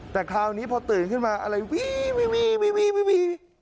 แต่คราวนี้พอตื่นขึ้นมาอะไรวี้วี้วี้